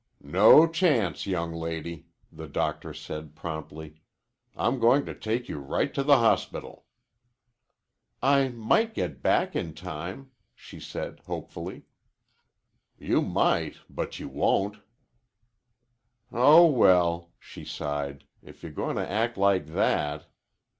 "No chance, young lady," the doctor said promptly. "I'm going to take you right to the hospital." "I might get back in time," she said hopefully. "You might, but you won't." "Oh, well," she sighed. "If you're going to act like that."